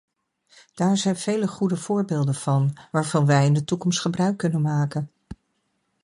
Daar zijn vele goede voorbeelden van, waarvan wij in de toekomst gebruik kunnen maken.